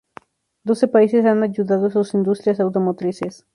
Doce países han ayudado a sus industrias automotrices.